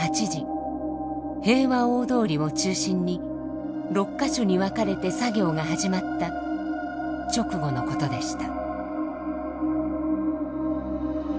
平和大通りを中心に６か所に分かれて作業が始まった直後のことでした。